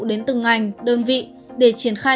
đến từng ngành đơn vị để triển khai